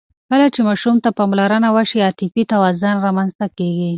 کله چې ماشوم ته پاملرنه وشي، عاطفي توازن رامنځته کېږي.